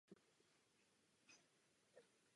Kaple oválného půdorysu je završena nízkou kopulí.